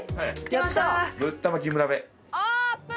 オープン！